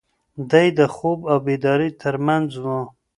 دی د خوب او بیدارۍ تر منځ و.